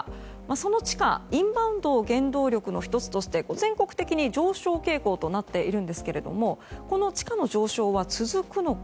その地価、インバウンドを原動力の１つとして全国的に上昇傾向となっているんですけれどもこの地価の上昇は続くのか。